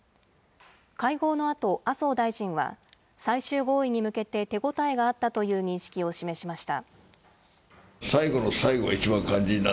会合のあと、麻生大臣は、最終合意に向けて手応えがあったという認識を示しました。